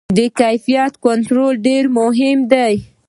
د کیفیت کنټرول ډېر مهم دی.